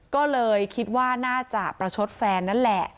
ก็เลยคิดว่าน่าจะประชดแฟนนั่นแหละ